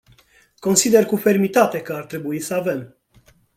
Consider cu fermitate că ar trebui să avem.